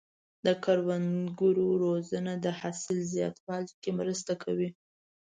د کروندګرو روزنه د حاصل زیاتوالي کې مرسته کوي.